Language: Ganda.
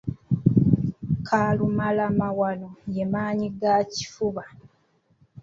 Kalumalamawano ye maannyi ga kifuba.